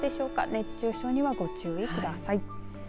熱中症にはご注意ください。